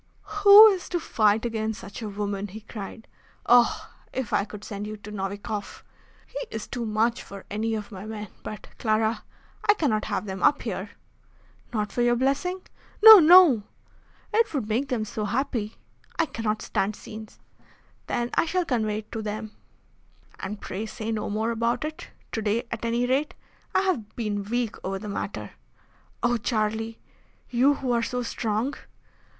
"Who is to fight against such a woman?" he cried. "Oh! if I could send you to Novikoff! He is too much for any of my men. But, Clara, I cannot have them up here." "Not for your blessing?" "No, no!" "It would make them so happy." "I cannot stand scenes." "Then I shall convey it to them." "And pray say no more about it to day, at any rate. I have been weak over the matter." "Oh! Charlie, you who are so strong!"